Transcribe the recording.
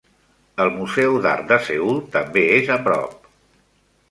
El Museu d'Art de Seül també és a prop.